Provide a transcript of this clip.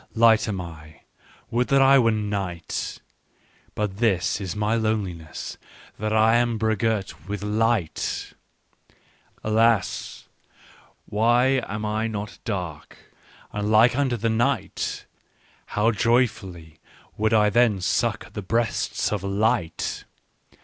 " Light am I : would that I were night ! But this is my loneliness, that I am begirt with light " Alas, why am I not dark and like unto the night ! How joyfully would I then suck at the breasts of light